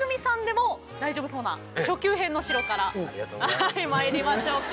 はいまいりましょうか。